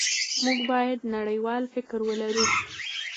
موږ باید نړیوال فکر ولرو.